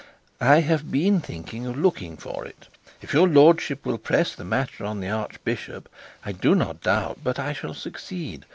'I have been thinking of looking for it. If your lordship will press the matter on the archbishop, I do not doubt but that I shall succeed.